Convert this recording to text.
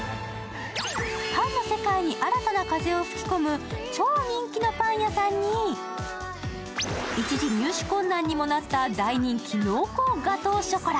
パンの世界に新たな風を吹き込む超人気のパン屋さんに、一時、入手困難にもなった大人気濃厚ガトーショコラ。